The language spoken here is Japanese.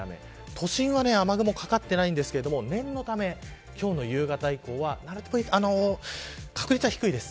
都心は雨雲はかかってないんですけれども念のため、今日の夕方以降は確率は低いです